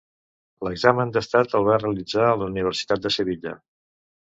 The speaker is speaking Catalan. L'examen d'estat el va realitzar a la Universitat de Sevilla.